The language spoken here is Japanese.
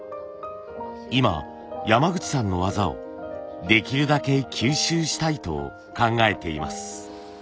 今山口さんの技をできるだけ吸収したいと考えています。